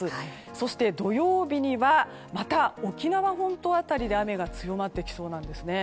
そして、土曜日にはまた沖縄本島辺りで雨が強まってきそうです。